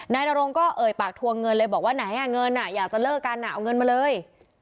นายนรงก็เอ่ยปากทวงเงินเลยบอกว่าไหนอ่ะเงินอยากจะเลิกกันเอาเงินมาเลย